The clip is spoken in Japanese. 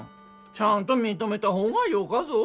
ちゃんと認めた方がよかぞ。